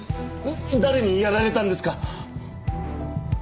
誰にやられたんですか？